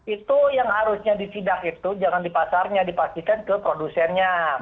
itu yang harusnya disidak itu jangan di pasarnya dipastikan ke produsennya